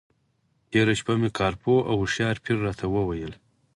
تېره شپه مې کار پوه او هوښیار پیر راته وویل.